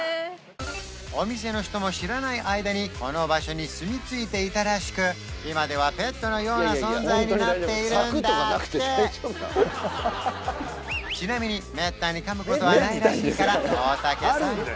お店の人も知らない間にこの場所にすみ着いていたらしく今ではペットのような存在になっているんだってちなみにらしいから大竹さん